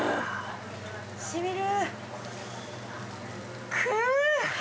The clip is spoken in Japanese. しみる。